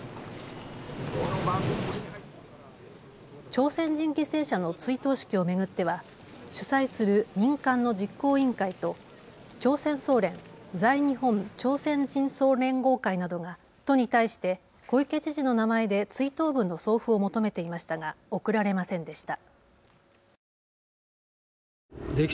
朝鮮人犠牲者の追悼式を巡っては主催する民間の実行委員会と朝鮮総連・在日本朝鮮人総連合会などが都に対して小池知事の名前で追悼文の送付を求めていましたが送られませんでした。